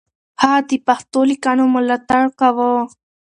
هغه د پښتو ليکنو ملاتړ کاوه.